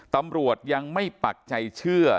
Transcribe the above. ตำรวจยังไม่ปักใจเชื่อ